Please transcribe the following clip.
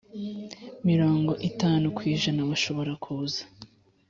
mirongo itanu ku ijana bashobora kuza